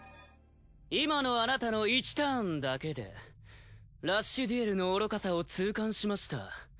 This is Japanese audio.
今のあなたの１ターンだけでラッシュデュエルの愚かさを痛感しました。